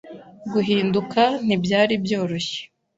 guhinduka ntibyari byoroshye.